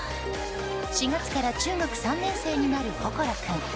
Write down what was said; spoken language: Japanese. ４月から中学３年生になる心君。